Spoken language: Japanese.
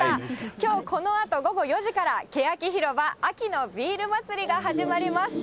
きょうこのあと午後４時から、けやきひろば秋のビール祭りが始まります。